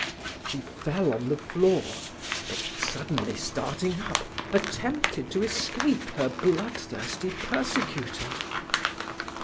She fell on the floor, but suddenly starting up, attempted to escape her bloodthirsty persecutor.